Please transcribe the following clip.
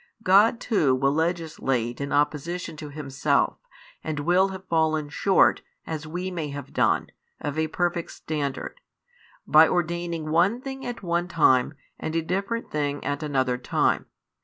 God too will legislate in opposition to Himself, and will have fallen short, as we may have done, of a perfect standard, by ordaining one thing at one time and a different thing at another time.